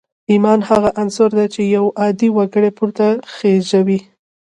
ایمان هغه عنصر دی چې یو عادي وګړی پورته خېژوي